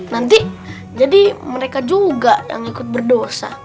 nanti jadi mereka juga yang ikut berdosa